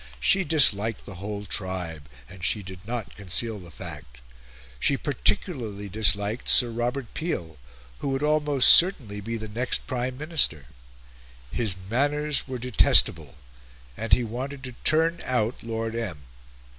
She disliked the whole tribe; and she did not conceal the fact. She particularly disliked Sir Robert Peel, who would almost certainly be the next Prime Minister. His manners were detestable, and he wanted to turn out Lord M.